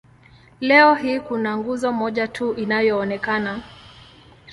Leo hii kuna nguzo moja tu inayoonekana.